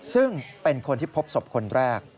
ซึ่งเป็นคนที่พบศพคนแรก